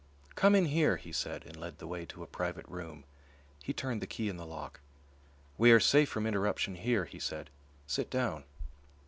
"Come in here," he said, and led the way to a private room. He turned the key in the lock. "We are safe from interruption here," he said; "sit down."